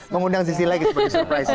mengundang sisi lagi sebagai surprise